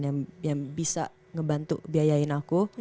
yang bisa ngebantu biayain aku